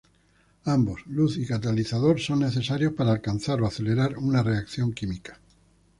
Ambos, luz y catalizador, son necesarios para alcanzar o acelerar una reacción química.